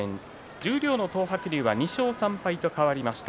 十両の東白龍は２勝３敗と変わりました。